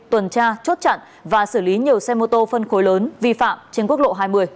tuần tra chốt chặn và xử lý nhiều xe mô tô phân khối lớn vi phạm trên quốc lộ hai mươi